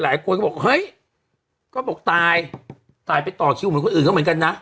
หลายคนก็บอกเฮ้ยก็บอกตายตายไปต่อคิวเหมือนคนอื่นก็เหมือนกันนะ